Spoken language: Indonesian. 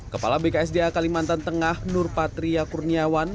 kepala bksda kalimantan tengah nur patria kurniawan